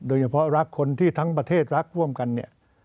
โดยเฉพาะรักคนที่ทั้งประเทศรักร่วมกันเนี่ย